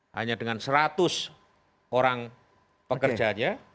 hanya dengan seratus orang pekerjanya